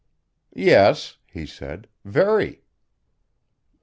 "Yes," he said "Very."